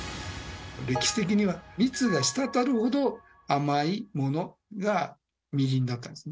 歴史的には蜜が滴るほど甘いものがみりんだったんですね。